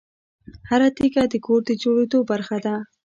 هره تیږه د کور د جوړېدو برخه ده.